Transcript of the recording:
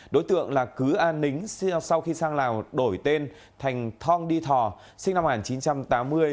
đối tượng là cứ an nính sau khi sang lào đổi tên thành thong di thò sinh năm một nghìn chín trăm tám mươi